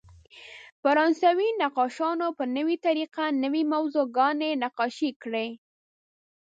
فرانسوي نقاشانو په نوې طریقه نوې موضوعګانې نقاشي کړې.